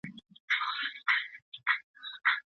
ایا ځايي کروندګر ممیز اخلي؟